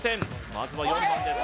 まずは４番です